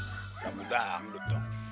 udang udang dut dong